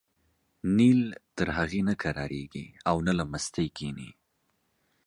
نیل تر هغې نه کرارېږي او نه له مستۍ کېني.